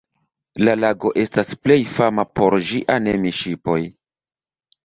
La lago estas plej fama por ĝia Nemi-ŝipoj.